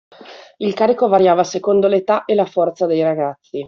Il carico variava secondo l’età e la forza dei ragazzi